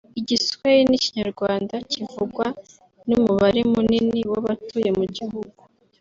Igiswahili n’Ikinyarwanda kivugwa n’umubare munini w’abatuye mu gihugu